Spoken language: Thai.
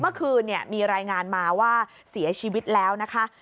เมื่อคืนมีรายงานมาว่าเสียชีวิตแล้วนะคะ